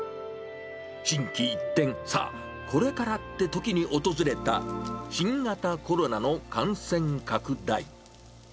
心機一転、さあ、これからってときに訪れた新型コロナの感染拡大。